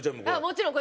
もちろん。